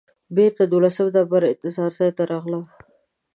بېرته دولسم نمبر انتظار ځای ته راغلم.